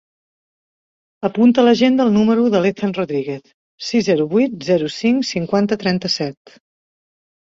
Apunta a l'agenda el número de l'Ethan Rodriguez: sis, zero, vuit, zero, cinc, cinquanta, trenta-set.